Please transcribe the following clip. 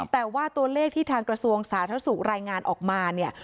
แต่ว่าตัวเลขที่ทางกระทรวงสาธารณสุขรายงานออกมาเนี่ย